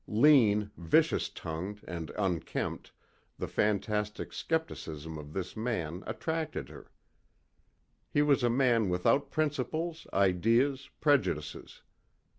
Lean, vicious tongued and unkempt, the fantastic skepticism of this man attracted her. He was a man without principles, ideas, prejudices.